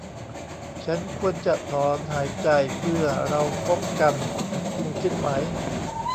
ฉันควรจะถอนหายใจเมื่อเราพบกันคุณคิดไหม ?